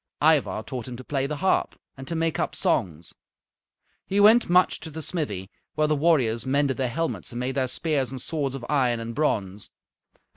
Ivar taught him to play the harp and to make up songs. He went much to the smithy, where the warriors mended their helmets and made their spears and swords of iron and bronze.